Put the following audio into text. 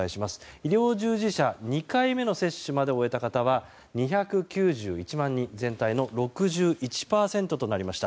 医療従事者２回目の接種まで終えた方は２９１万人全体の６１％となりました。